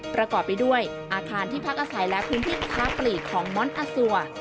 ประกอบไปด้วยอาคารที่พักอาศัยและพื้นที่ค้าปลีกของม้อนอาซัว